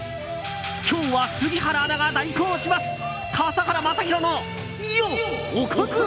今日は杉原アナが代行します。